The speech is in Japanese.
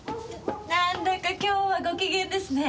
なんだか今日はご機嫌ですね。